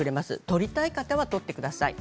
取りたい方は取ってください。